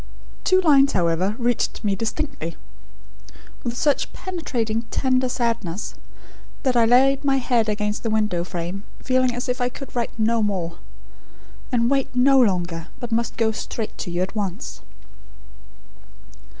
Two lines, however, reached me distinctly, with such penetrating, tender sadness, that I laid my head against the window frame, feeling as if I could write no more, and wait no longer, but must go straight to you at once."